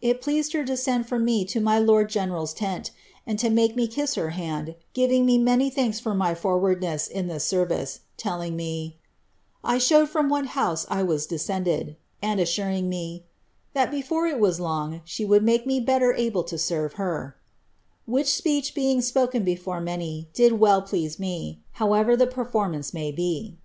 It pleased her to send for me to my lord generaPs tent, and to make me kiss her hand, giving me many thanks for my for wardness in this service, telling me, ^ f showed from what honse I was deeoended,' and assuring me, ^ that before it was long, she would make me better able to serve her ;' which speech being spoken before many, did well please me, however the performance may be.''